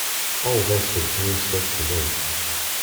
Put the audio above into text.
All this was new stuff to me.